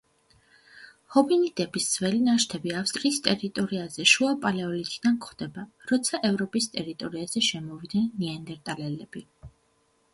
ჰომინიდების ძველი ნაშთები ავსტრიის ტერიტორიაზე შუა პალეოლითიდან გვხვდება, როცა ევროპის ტერიტორიაზე შემოვიდნენ ნეანდერტალელები.